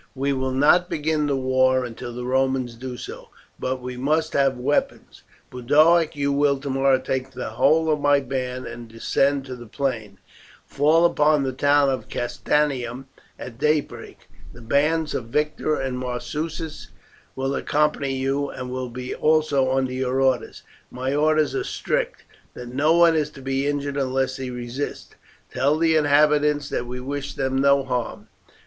"We will not begin the war until the Romans do so, but we must have weapons. Boduoc, you will tomorrow take the whole of my band and descend to the plain, fall upon the town of Castanium at daybreak; the bands of Victor and Marsus will accompany you and will be also under your orders. My orders are strict, that no one is to be injured unless he resists. Tell the inhabitants that we wish them no harm.